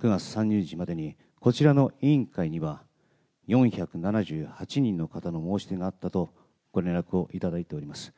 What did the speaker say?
９月３０日までに、こちらの委員会には、４７８人の方の申し出があったと、ご連絡をいただいております。